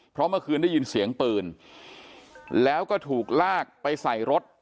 เพราะเมื่อคืนได้ยินเสียงปืนแล้วก็ถูกลากไปใส่รถ